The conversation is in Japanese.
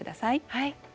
はい。